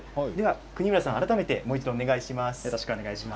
國村さん、改めてお願いします。